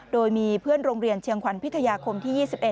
โดยมีเพื่อนโรงเรียนเชียงขวัญพิทยาคมที่๒๑